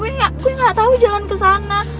gue gak tau jalan kesana